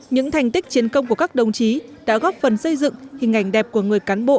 những thành tích chiến công của các đồng chí đã góp phần xây dựng hình ảnh đẹp của người cán bộ